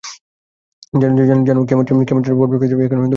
জানো, কেমনে চাইটা বরফি খাইতো, এখন গ্রিনটি খায়, লাল চিনি দিয়া।